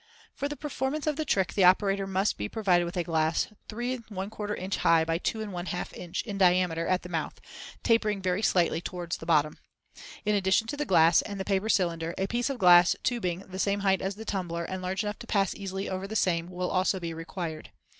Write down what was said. For the performance of the trick the operator must be provided with a glass, 3¼ in. high by 2½ in. in diameter at the mouth, tapering very slightly towards the bottom. In addition to the glass and the paper cylinder a piece of glass tubing the same height as the tumbler, and large enough to pass easily over the same, will also be required.